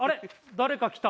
誰か来た？